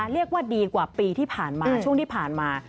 เรียกว่าดีกว่าปีที่ผ่านมาช่วงที่ผ่านมา